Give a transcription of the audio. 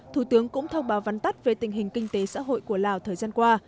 thủ tướng cũng thông báo văn tắt về tình hình kinh tế xã hội của lào thời gian qua